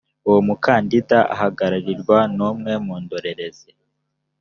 uwo mukandida ahagararirwa n’umwe mu ndorerezi